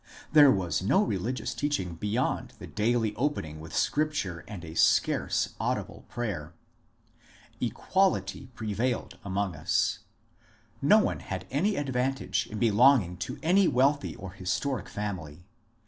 There was no religious teaching beyond the daily opening with scripture and a scarce audible prayer. Equality prevailed among us. No one had any advantage in belonging to any wealthy or historic family.